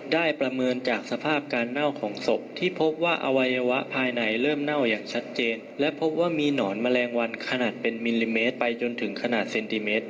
ประเมินจากสภาพการเน่าของศพที่พบว่าอวัยวะภายในเริ่มเน่าอย่างชัดเจนและพบว่ามีหนอนแมลงวันขนาดเป็นมิลลิเมตรไปจนถึงขนาดเซนติเมตร